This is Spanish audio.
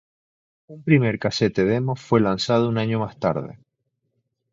Un primer casete demo fue lanzado un año más tarde.